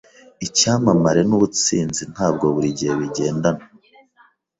Icyamamare nubutsinzi ntabwo buri gihe bigendana.